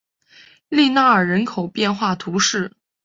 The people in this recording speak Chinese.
利纳尔人口变化图示